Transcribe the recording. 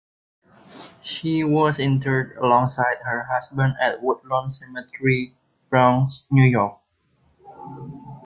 She was interred alongside her husband at Woodlawn Cemetery, Bronx, New York.